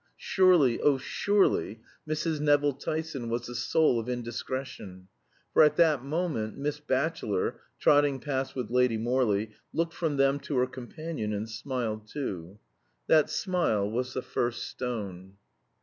Surely, oh surely, Mrs. Nevill Tyson was the soul of indiscretion; for at that moment Miss Batchelor, trotting past with Lady Morley, looked from them to her companion and smiled too. That smile was the first stone.